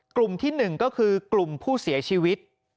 กลุ่มที่๑ก็คือกลุ่มผู้เสียชีวิต